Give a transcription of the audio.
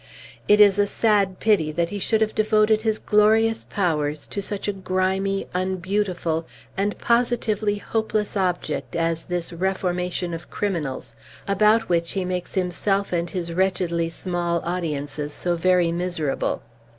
It is a sad pity that he should have devoted his glorious powers to such a grimy, unbeautiful, and positively hopeless object as this reformation of criminals, about which he makes himself and his wretchedly small audiences so very miserable.